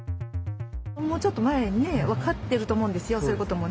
もうちょっと前に分かってると思うんですよ、そういうこともね。